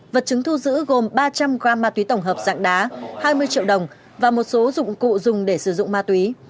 vật chứng thu giữ gồm ba trăm linh g ma túy tổng hợp dạng đá hai mươi triệu đồng và một số dụng cụ dùng để sử dụng ma túy